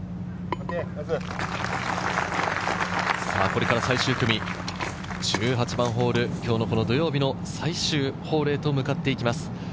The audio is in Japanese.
これから最終組、１８番ホール、今日の土曜日の最終ホールへと向かっていきます。